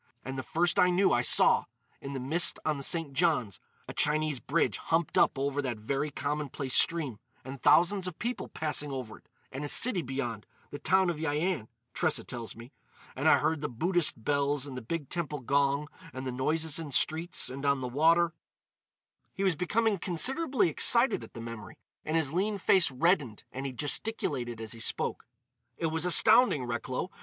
—and the first I knew I saw, in the mist on the St. Johns, a Chinese bridge humped up over that very commonplace stream, and thousands of people passing over it,—and a city beyond—the town of Yian, Tressa tells me,—and I heard the Buddhist bells and the big temple gong and the noises in streets and on the water——" He was becoming considerably excited at the memory, and his lean face reddened and he gesticulated as he spoke: "It was astounding, Recklow!